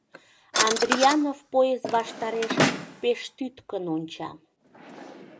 Андрианов поезд ваштареш пеш тӱткын онча.